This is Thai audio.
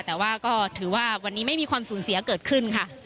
แต่ว่าก็ถือว่าวันนี้ไม่มีความสูญเสียเกิดขึ้นค่ะ